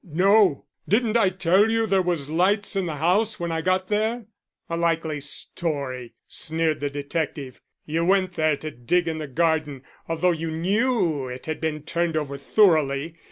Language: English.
"No. Didn't I tell you there was lights in the house when I got there?" "A likely story," sneered the detective. "You went there to dig in the garden, although you knew it had been turned over thoroughly.